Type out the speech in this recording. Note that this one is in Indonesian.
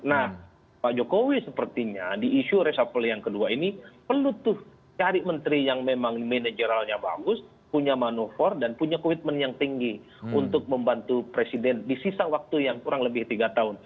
nah pak jokowi sepertinya di isu resapel yang kedua ini perlu tuh cari menteri yang memang manajeralnya bagus punya manuver dan punya komitmen yang tinggi untuk membantu presiden di sisa waktu yang kurang lebih tiga tahun